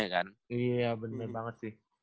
iya bener banget sih